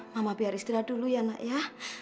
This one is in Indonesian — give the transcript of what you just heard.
mama biar istirahat dulu ya nak ya